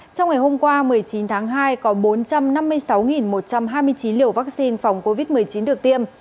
trong ngày hôm qua một mươi chín tháng hai có bốn trăm năm mươi sáu một trăm hai mươi chín liều vaccine phòng covid một mươi chín được tiêm